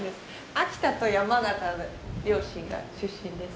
秋田と山形の両親が出身です。